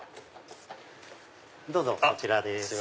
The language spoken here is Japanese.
どうぞこちらです。